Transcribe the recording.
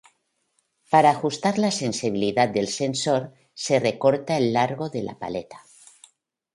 Para ajustar la sensibilidad del sensor se recorta el largo de la paleta.